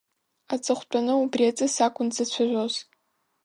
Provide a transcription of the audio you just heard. Аҵыхәтәаны убри аҵыс акәын дзацәажәоз.